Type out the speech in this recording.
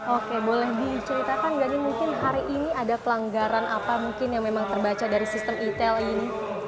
oke boleh diceritakan nggak nih mungkin hari ini ada pelanggaran apa mungkin yang memang terbaca dari sistem etail ini